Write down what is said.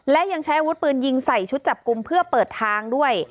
และยังใช้อาวุธปืนยิงใส่ชุดจับกลุ่มเพื่อเปิดทางด้วย